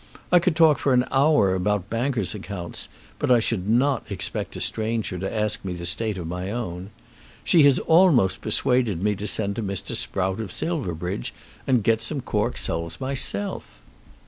I could talk for an hour about bankers' accounts, but I should not expect a stranger to ask me the state of my own. She has almost persuaded me to send to Mr. Sprout of Silverbridge and get some cork soles myself."